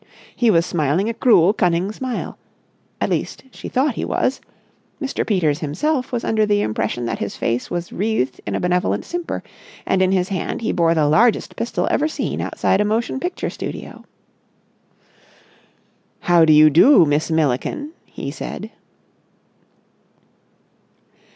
He was smiling a cruel, cunning smile—at least, she thought he was; Mr. Peters himself was under the impression that his face was wreathed in a benevolent simper; and in his hand he bore the largest pistol ever seen outside a motion picture studio. "How do you do, Miss Milliken?" he said.